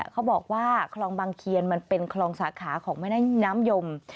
เขาบอกว่าคลองบางเคียนมันเป็นคลองสาขาของแม่น้ำยม